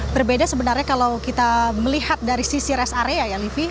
berbeda sebenarnya kalau kita melihat dari sisi rest area ya livi